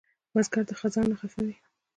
بزګر د خزان نه خفه وي